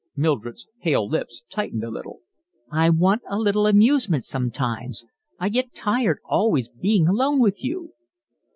Mildred's pale lips tightened a little. "I want a little amusement sometimes. I get tired always being alone with you."